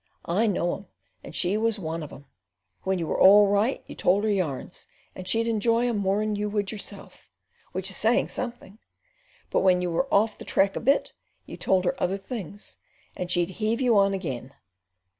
I know 'em, and she was one of 'em. When you were all right you told her yarns, and she'd enjoy 'em more'n you would yourself, which is saying something; but when you were off the track a bit you told her other things, and she'd heave you on again.